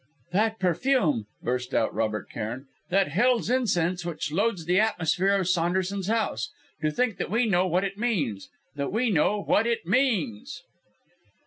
"That perfume!" burst out Robert Cairn; "that hell's incense which loads the atmosphere of Saunderson's house! To think that we know what it means that we know what it means!"